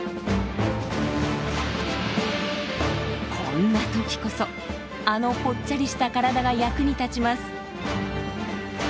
こんな時こそあのぽっちゃりした体が役に立ちます。